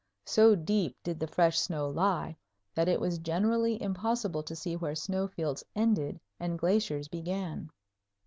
So deep did the fresh snow lie that it was generally impossible to see where snow fields ended and glaciers began.